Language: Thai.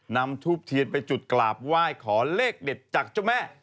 นำทูบเทียนไปจุดกราบไหว้ขอเลขเด็ดจากเจ้าแม่